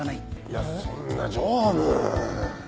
いやそんな常務。